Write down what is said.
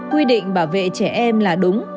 quy định bảo vệ trẻ em là đúng